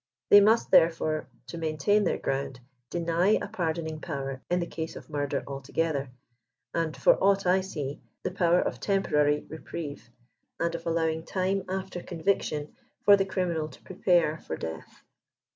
They must, therefore, to maintain their ground, deny a patdoning power in the case of mur der altc^tber, and^ f&r aDght I see, the power of temporary reprieve, and of allowing time after conviction for the criminal to prepare for 129 death.